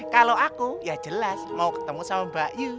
kalau aku ya jelas mau ketemu sama mbak yu